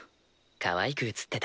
かわいく映ってた。